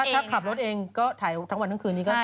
ถ้าขับรถเองก็ถ่ายทั้งวันทั้งคืนนี้ก็